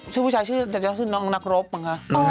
ชื่อผู้ชายจะใช่หัวือน้องนักโรปมั้งคะ